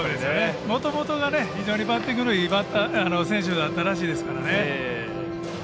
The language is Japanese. もともとがね非常にバッティングのいい選手だったらしいですからね。